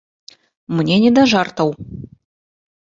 Мне не да жартаў!